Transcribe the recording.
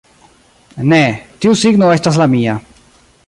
Ne, tiu signo estas la mia